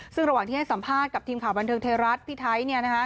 ซึ่งระหว่างที่ให้สัมภาษณ์กับทีมข่าวบันเทิงไทยรัฐพี่ไทย